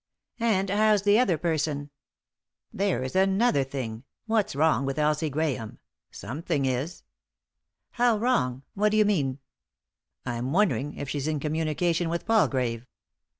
"And how's the other person ?" "There's another thing — what's wrong with Elsie Grahame ? Something is 1 "" How wrong ? What do you mean ?" "I'm wondering if she's in communication with Palgrave